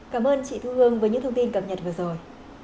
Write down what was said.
cảm ơn chị thu hương với những thông tin cập nhật vừa rồi